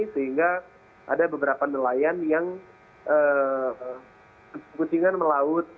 sehingga ada beberapa nelayan yang kucingan melaut